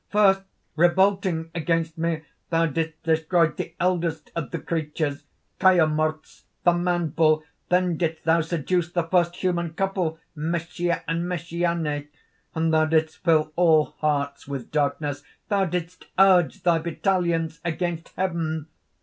"First revolting against me, thou didst destroy the eldest of creatures, Kaiomortz, the Man Bull. Then didst thou seduce the first human couple, Meschia and Meschiané; and thou didst fill all hearts with darkness, thou didst urge thy battalions against heaven!